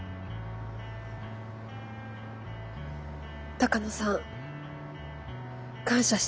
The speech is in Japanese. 鷹野さん感謝しています。